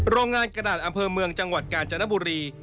โรงงานกระดาษอำเภอเมืองจังหวัดกาญจนบุรี